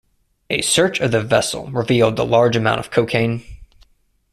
A search of the vessel revealed the large amount of cocaine.